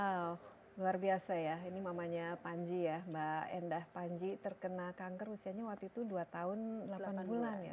wow luar biasa ya ini mamanya panji ya mbak endah panji terkena kanker usianya waktu itu dua tahun delapan bulan ya